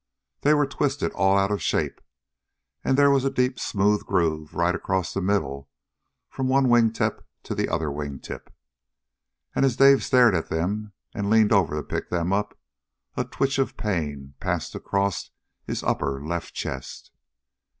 They were twisted all out of shape, and there was a deep smooth groove right across the middle from one wingtip to the other wingtip. And as Dave stared at them, and leaned over to pick them up, a twitch of pain passed across his upper left chest.